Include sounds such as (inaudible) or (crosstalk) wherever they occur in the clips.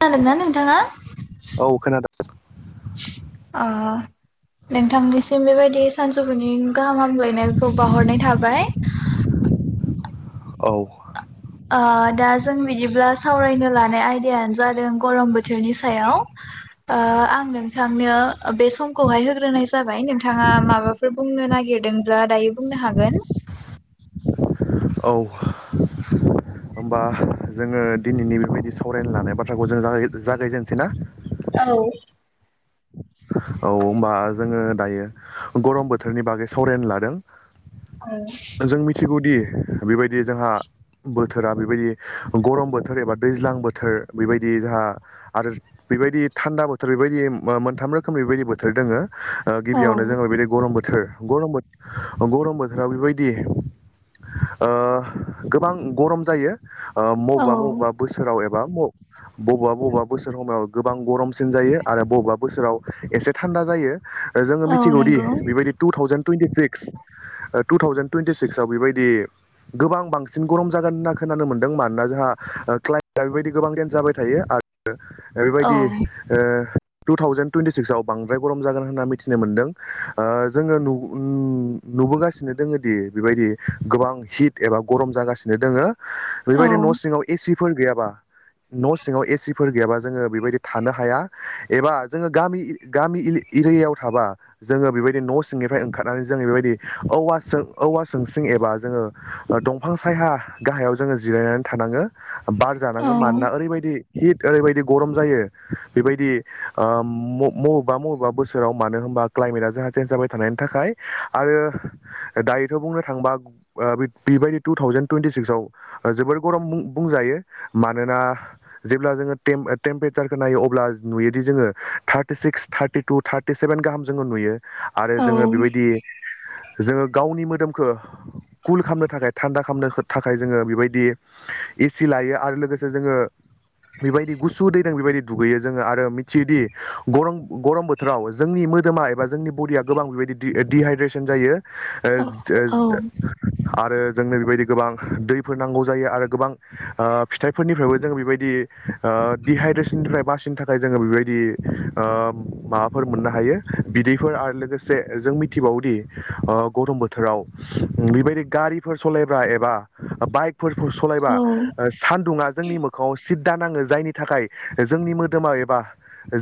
खोनादों ना नोंथाङा? औ खनादों। आह नोंथांनिसिम बेबायदि सानजौफुनि गाहाम हामलायनायखौ बहरनाय थाबाय। (inaudible) औ। ओ दा जों बिदिब्ला सावरायनो लानाय आयदायानो जादों गरम बोथोरनि सायाव। आह आं नोंथांनो बे समखौहाय होग्रोनाय जाबाय नोंथाङा माबाफोर बुंनो नो नागिरदोंब्ला दायो बुंनो हागोन। औ। होमबा जोङो दिनैनि बेबायदि सावरायनो लानाय बाथ्राखौ जों जा जागायजेननोसै ना? औ। औ होमबा जोङो दायो गरम बोथोरनि बागै सावरायनो लादों। जों मिथिगौदि बेबायदि जोंहा बोथोरा बेबायदि गरम बोथोर एबा दैज्लां बोथोर बेबायदि जोंहा आरो बेबायदि थान्दा बोथोर बेबायदि मोनथाम रोखोम बेबायदि बोथोर दङ औ गिबियावनो जोङो बेबायदि गरम बोथोर गरम बोथोर गरम बोथोराव बेबायदि ओ गोबां गरम जायो औ बबेबा बबेबा बोसोराव म बबेबा बबेबा बोसोर समाव गोबां गरमसिन जायो आरो बबेबा बोसोराव एसे थान्दा जायो। जोङो औ मिथिगौदि नंगौ बेबायदि two thousand twenty six two thousand twenty सिक्सआव बेबायदि-' गोबां बांसिन गरम जागोन होनना खोनानो मोनदों। मानोना जोंहा क्लाइमेटआ बेबायदि गोबां दन्स जाबाय थायो। आरो औ बेबायदि टु थावजेेनड थुयेटि सिक्सव बांद्राय गरम जागोन होनना मिथिनो मोनदों। ओ जोङो नुबोगासिनो दोङो दि बेबायदि गोबां हिट एबा गरम जागासिनो दोङ। औ बेबायदि न' सिङाव एसि गैया न' सिङाव गैयाबा जोङो बेबादि थानो हाया थानो हुआ एबा जोङो गामि गामि एरियायाव थाबा जोङो बेबायदि न' सिंनिफ्राय ओंखारनानै जोङो बेबायदि औवासो औवा जोंसों एबा जोङो दंफां सायहा गाहायाव जोङो जिरायनानै थानाङो बार औ जानाङो मानोना ओरैबायदि हिट ओरैबायदि गरम जायो बेबायदि ओ मबेबा मबेबा बोसोराव मानो होनबा क्लाायमेटआ जोंहा चेन्ज जाबाय थानायनि थाखाय आरो दायोथ' बुंनो थांबा बेबायदि टु थावजेन टुइटि सिक्स आव जोबोर गरम बुंजायो मानोना जेब्ला जोङो टेम टेम्पेरेसारखौ नायो अब्ला नुयोदि जोङो thirty six thirty two thirty seven गाहाम जोङो नुयो आरो औ जोङो बेबायदि जोङो गावनि मोदोम खो कुल खालामनो थाखाय थान्दा खालामनो थाखाय जोङो बेबायदि एसि लायो आरो लोगोसे जोङो बेबायदि गुसु दैदों बेबायदि दुगैयो जोङो आरो मिथियोदि गरम गरम बोथोराव जोंनि मोदोमा एबा जोंनि बडिया गोबां बेबायदि डहाइद्रेसन जायो ओ जो औ ओ आरो जोंनो बेबायदि गोबां दैफोर नांगौ जायो आरो गोबां ओ फिथाइफोरनिफ्रायबो जोंङो बेबायदि डिहाइद्रेसननिफ्राय बासिनो थाखाय जोङो बेबायदि ओ माबाफोर मोननो हायो बिदैफोर आरो लोगोसे जों मिथिबावोदि गरम बोथोराव बेबायदि गारिफोर सालायब्रा एबा बाइक फोर सलायबा सानदुं जोंनि मोखाङआव सिद दा नाङो जायनि थाखाय जोंनि मोदोमाव एबा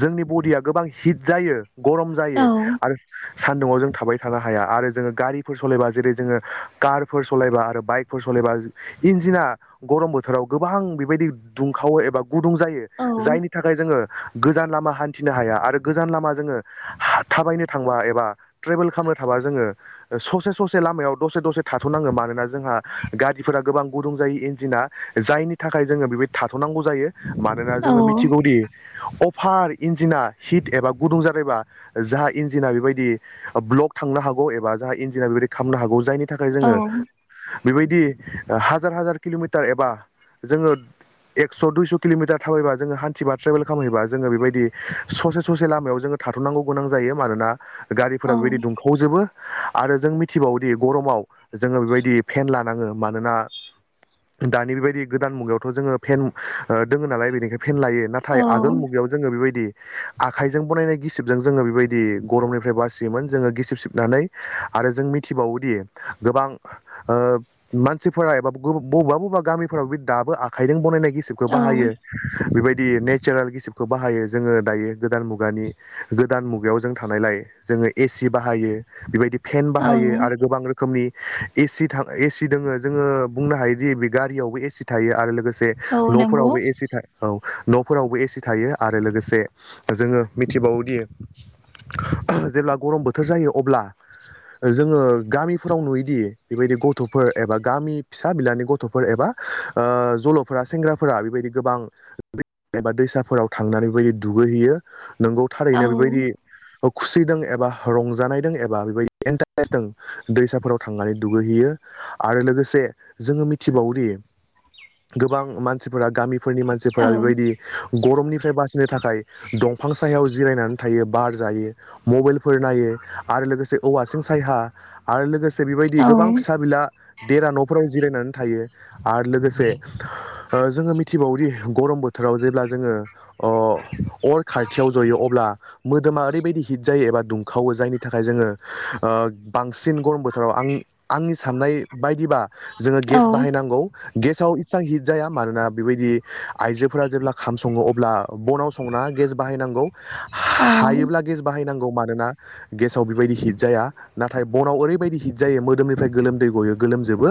जोंनि बडिया गोबां हिट जायो। गरम औ जायो आरो सान्दुुंआव जों थाबाय थानो हाया आरो जोङो गारिफोर सालायबा जेरै जोङो कारफोर सालायबा आरो बाइकफोर सालायबा एबा इन्जिना गरम बोथोराव गोबां बेबायदि दुंखावो एबा गुदुं जायो जायनि थाखाय जोङो गोजान लामा हान्थिनो हाया आरो गोजान लामा जोङो थाबायनो थांबा एबा ट्रेभेल खालामनो थाबा जों जोङो ससे ससे लामायाव दसे दसे थाथ'नाांगो मानोना जोंहा गारिफोरा गोबां गुदुं जायै- इन्जिना जायनि थाखाय जोङो बेबाय थाथ'नांगौ जायो मानोना जोङो मिथिगौदि फार इन्जिना हिट एबा गुदुं ज जादोंबा जाहा इन्जिना बेबायदि ब्लक थांनो हागौ बा जा इन्जना बेदि खालामनो हागौ जायनि थाखाय औ जोङो बेबायदि हाजार हाजार किल'मिटार एबा जोङो एक्स' दुइस' किल'मिटार थाबायबा जोङो हान्थिबा ट्रेभेल खालामहैबा जोङो बेबायदि ससे ससे लामायाव जोङो थाथ'नांगौ गोनां जायो मानोना गारिफोरा औ बेबायदि दुंखावजोबो आरो जों मिथिबावोदि गरमाव जोङो बेबायदि फेन लानाङो मानोना दानि बेबायदि गोदान मुगायावथ' जोङो फेन दोङो नालाय बेनिखायनो फेन लायो औ नाथाय आगोल मुगायाव जोङो बेबायदि आखाइजों बानायनाय गिसिबजों जोङो बेबायदि गरमनिफ्राय बासियोमोन जोङो गिसिब सिबनानै आरो जों मिथिबावोदि गोबां मानसिफोरा एबा बबा बबा बा गामिफोराव बे दो आखाइजों बानायनाय गिसिबखौ औ बाहायो बेबायदि नेचारेल गिसिबखौ खौ बाहायो जोङो दायो गोदान मुगानि गोदान मुगायाव जों थानायलाय जोङो एसि बाहायो बेबायदि फेन औ बाहायो आरो गोबां रोखोम नि एसि दङो जोङो बुंनो हायोदि बे गारियावबो एसि थायो आरो लोगोसे औ नंगौ न'फोरावबो एसि था औ न'फोरावबो एसि थायो आरो लोगोसे जोङो मिथिबावोदि जेब्ला गरम बोथोर जायो अब्ला जोङो गामिफोराव नुयोदि बेबायदि गथ'फोर एबा गामि फिसा बिलानि गथ'फोर एबा ओ जल'फोरा सेंग्राफोरा बेबायदि गोबां एबा दैसा फोराव थांनानै बेबायदि दुगैहैयो नोंगौ औ थारैनो बेबायदि औ खुसिदों एबा रंजानायदों एबा बेबायदि एन्टारेस्जों दैसाफोराव थांनानै दुगैहैयो आरो लोगोसे जोङो मिथिबावोदि गोबां मानसिफोरा गामिफोरनि मानसिफोरा औ बेबायदि गरमनिफ्राय बासिनो थाखाय दंफां सायाव जिरायनानै थायो बार जायो मबाइल फोर नायो आरो लोगोसे औवासिं सायहा आरो लोगोसे बेबायदि औ गोबां फिसा बिला देरा न'फोराव जिरायनानै थायो आरो लोगोसे ओ जोङो मिथिबावोदि गरम बोथोराव जेब्ला जोङो। अ अर थायो खाथियाव जयो अब्ला मोदोमा ओरैबायदि हिट जायो एबा दुंखावो जायनि थाखाय जोङो ओ बां सिन गरम बोथोराव आं आंनि साननाय बायदिबा जोङो गेस बाहायनांगौ गेसाव इसबां हिट जाया मानोना बेबायदि आइजोफोरा जेब्ला ओंखाम सङो अब्ला बनाव सङना गेस बाहायनांगौ औ हायोब्ला गेस बाहायनां गौ मानोना गेसाव बेबायदि हिट जाया नाथाय बनाव ओरैबायदि हिट जायो मोदोमनिफ्राय गोलोमद दै गयो। गोलोमजोबो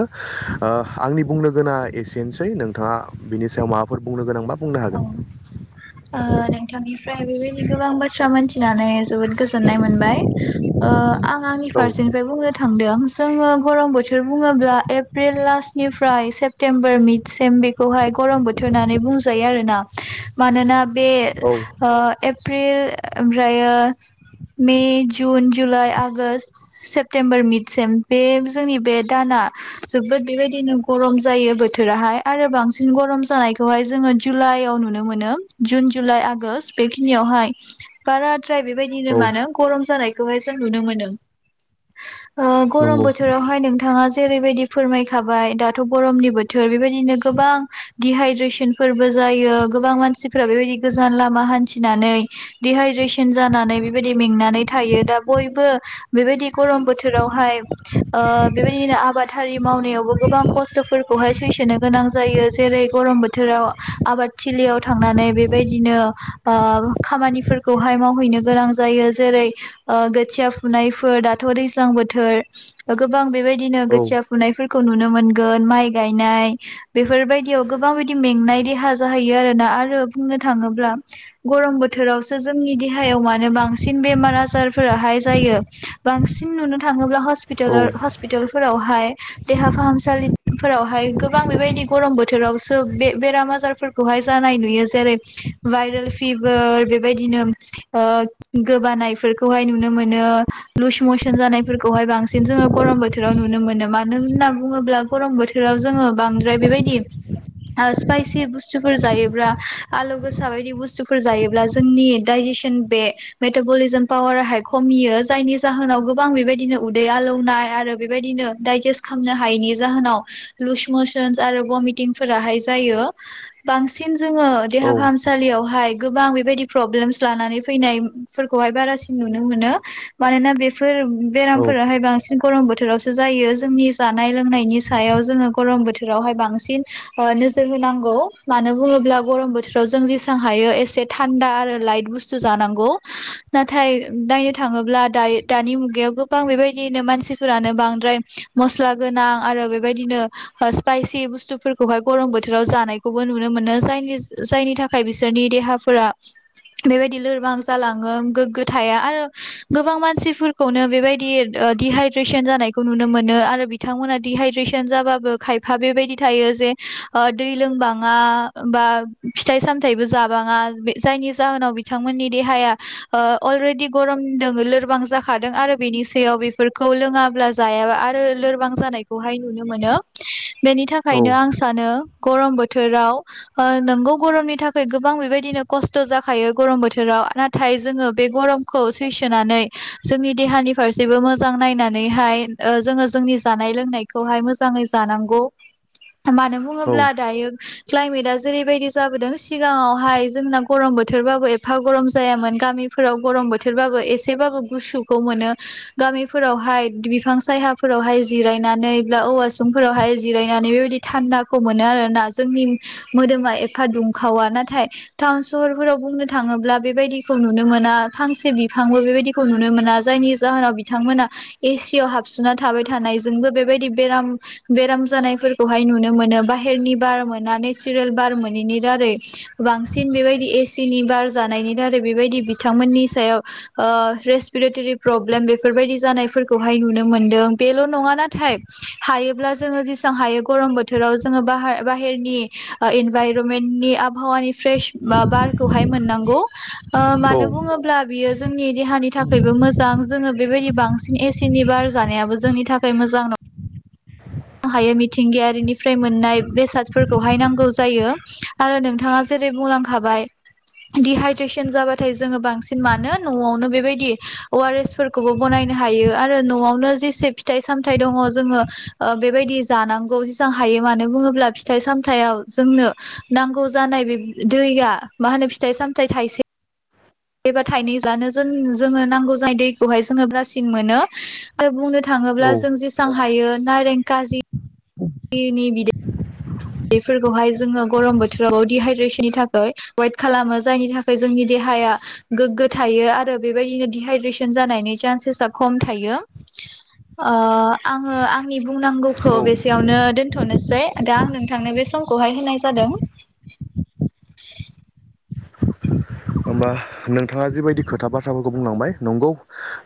ओ आंनि बुंनो गोना एसेनोसै नोंथाङा बिनि सायाव माबाफोर बुंनो गोनांबा बुंनो औ हागोन ओ नोंथांनिफ्राय बेबायदिनो गोबां बाथ्रा मोनथि फिनानै जोबोद गोजोननाय मोनबाय ओ आं आंनि औ फारसेनिफ्राय बुंनो थांदों जोंङो गरम बोथोर बुङोब्ला एप्रिल लास्टनिफ्राय सेप्तेम्बर मिटसिम बेखौहाय गरम बोथोर होननानै बुंजायो आरोना मानोना बे औ ओ एप प्रिल ओमफ्रायो May, June, July, August, September, मिडसिम बे जोंनि बे दाना जोबोद बेबायदिनो गरम जायो बोथोराहाय आरो बांसिन गरम जानायखौहाय जोङो। जुलाइयाव नुनो मोनो जुन जुलाइ आगष्ट बेखिनियावहाय बारा द्राय बेबायदिनो औ मानो गरम जानायखौहाय जों नुनो मोनो गरम नंगौ बोथोरावहाय नोंथाङा जेरैबायदि फोरमायखाबाय दाथ' गरमनि बोथोर बेबायदिनो गोबां दिडहाइद्रेसन फोरबो जायो गोबां मानसिफोरा बेबायदि गोजान लामा हान्थिनानै दिहाइद्रेसन जानानै बेबादि मेंनानै थायो दा बयबो बेबादि गरम बोथोरावहाय ओ बेबायदि आबाद हारि मावनायावबो गोबां खस्थ'फोरखौहाय सैसोनो गोनां जायो जेरै गरम बोथोराव आबादथिलियाव थांनानै बेबायदिनो ओ खामानिफोरखौहाय मावहैनो गोनां जायो जैरे ओ गोथिया फुनाय दाथ' दैजलां बोथोर गोबां बेबाय दिनो औ गोथिया फुनायफोरखो नुनो मोनगोन माइ गायनाय बेफोर बायदियाव गोबां मेंनाय देहा जाहैयो आरोना आरो बुंनो थाङोब्ला गरम बोथोराव जोंनि देहायाव मानो बांसिन बेमार आजारफोर हाय जायो बांसिन नुनो थाङोब्ला औ हस्पितालर हस्पितालफोरावहाय देहा फाहामसालिफोरावहाय गोबां बेबायदि गरम बोथोर रावसो बे-बेराम आजारफोरखौहाय जानाय नु जेरै भाइरेल फिभार बेबादिनो ओ गोबानाय फोरखो नुनो मोनो लुस मसन जानायफोरखौहाय बांसिन जोङो गरम बोथोराव नुनो मोनो मानो होन्ना बुङोब्ला गरम बोथोराव जोङो बांद्राय बेबायदि स्पाइसि बुस्थुफोर जायोब्ला आलु गोसा बायदि बुस्थुफोर जायोब्ला जोंनि दडाइजेसन बे मेटाबलिजम पावाराहाय खमियो जायनि जाहोनाव गोबां बेबायदिनो उदै आलौनाय आरो बेबायदि नो दायजेस्ट खालामनो हायैनि जाहोनाव लुस मसनस आरो भमिटिं फोराहाय जायो। बांसिन जोङो देहा औ फाहामसालियावहाय गोबां बेबायदि प्रब्लेम लानानै फैनायफोरखौहाय बारासिन नुनो मानोना बे फोर औ बेरामफोराहाय बांसिन गरम बोथोरावसो जायो जोंनि जानाय लोंनायनि सायाव जोङो गरम बोथोरावहाय बांसिन ओ नोजोर होनां गौ मानो बुङोब्ला गरम बोथोराव जों जेसेबां हायो एसे थान्दा आरो लाइट बुस्थु जानांगौ नाथाय नायनो थाङोब्ला दायो दानि मुगायाव गोबां बेबायदिनो मानसिफोरानो बांद्रा य मसला गोनां आरो बेबायदिनो स्पाइसि बुस्थुफोरखौहाय गरम बोथोराव जाना इखौबो नुनो मोनो जायनु जायनि थाखाय बिसोरनि देहाफोरा बेबायदि लोरबां जालाङो गोग्गो थाया आरो गोबां मानसिफोरखौनो बेबायदि दिहाइद्रेसन जानायखौ नुनो मोनो आरो बिथांमोना दिहाइद्रेसन जाबाबो खायफा बेबायदि थायो जे ओ दै लोंबा मा बा फिथाइ-सामथाइबो जाबाङा जायनि जाहोनाव बिथांमोननि देहाया ओ अलरेडि गरम दों लोरबां जाखादों आरो बेनि सायाव बेफोरखौ लोङाब्ला जायाबा आरो लोरबां जानायखौहाय नुनो मोनो बेनि थाखायनो आं सानो गरम बो थोराव ओ नोंगौ गरमनि थाखाय गोबां बेबायदिनो खस्थ जाखायो गरम बोथोराव नाथाय जोंङो बे गरमखौ सैसोनानै जोंनि देहानि फारसेबो मोजां नायनानैहाय जोङो जोंनि जानाय लोंनायखौहाय मोजाङै जानांगौ (inaudible) मानो बुङोब्ला दायो। क्लाइमेटआ जेरैबायदि जाबोदों सिगाङावहाय जोंना गरम बोथोरबाबो एफा गरम जायामोन गामि फोराव गरम बोथोरबाबो एसेबाबो गुसुखौ मोनो गामिफोरावहाय बिफां सायहा फोरावहाय जिरायनानै बा औवासुं फोरावहाय जिरायनानै बेबायदि थान्दाखौ मोनो आरोना जोंनि मोदोमा एफा दुंखावा नाथाय टाउन सहरफोराव बुंनो थाङोब्ला बेबायदिखौ नुनो मोना फांसे बिफांबो बेबायदिखौ नुनो मोना जायनि जाहोनाव बिथांमोना एसियाव हाबसो ना थाबाय थानाय जोंबो बेबायदि बेराम बेराम जानायफोरखौहाय नुनो मोनो बाहेरनि बार मोना नेचारेल बार मोनैनि दारै बांसिन बेबायदि एसिनि बार जानायनि दारै बेबायदि बिथांमोननि सायाव ओ रेसपिरिटरि प्रब्लेम बेफोर बायदि जानाय फोरखौहाय नुनो। मोनदों बेल नंङा नाथाय हायोब्ला जोङो जेसां हायो गरम बोथोराव जोंङो बाहाय बाहेरनि ओ इनभारमेनि आबहावानि फ्रेस बा बारखौहाय मोननांगौ ओ औ मानो बुङोब्ला बियो जोंनि देहानि थाखायबो मोजां जोङो बेबायदि बांसिन एसेनि बार जानायाबो जोंनि थाखाय मोजां नं हायो मिथिंगायारि निफ्राय मोननाय बेसाद फोरखौहाय नांगौ जायो आरो नोंथाङा जे रै बुंलांखाबाय दिहाइद्रेसन जाबाथाय जोङो बांसिन मानो न'आवनो बेबायदि अ आर एस फोरखौबो बनाय नो हायो आरो न'आवनो जेसे फिथाइ सामथाइ दङ जोङो ओ बेबायदि जानांगौ जेसां हायो मानो बुङोब्ला फिथाइ सामथायाव जोंनो नांगौ जानाय बेब दैआ मा होनो फिथाइ सामथाइ थाइसे एबा थाइनै जानो जों जोङो नांगौ जानाय दैखौहाय जोङो ब्रासिन मोनो आरो बुंनो थां ङोब्ला औ जों जेसेबां हायो नारें खाजि नि नि बिदै बेफोरखौहाय जोङो गरम बोथोरावबो डिहाइद्रेसननि थाखाय वेट खालामो जायनि थाखाय जोंनि देहा देहाया गोगो थायो आरो बेबायदिनो डिहाइद्रेसन जानायनि सान्सेसा खम थायो। ओ आङो आंनि बुंनांगौखौ औ बेसेयावनो दोनथनोसै दा आं नों थांनो बे समखौहाय होनाय जादों। होमबा नोंथाङा जिबायदि खोथा बाथ्राफोरखौ बुंलांबाय नोंगौ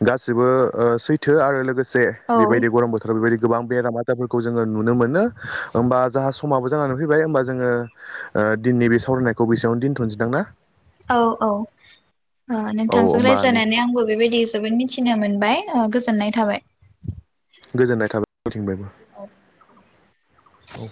गासिबो ओ सैथो आरो लोगो से औ बेबायदि गरम बोथोराव बेबायदि गोबां बेराम आजारफोरखौ जोङो नुनो मोनो होमबा जाहा समाबो जानानै फैबाय होमबा जोङो ओ दिनै बे सावरायनायखौ बेसेंङाव दोनथनसैदां ना। औ औ ओ औ नोंथांजों होमबा रायज्लायनानै आंबो बेबायदि जोबोद मि थिनो मोनबाय ओ गोजोननाय थाबाय गोजोननाय थाबाय औ आंथिंफ्रायबो औ